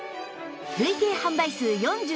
累計販売数４２万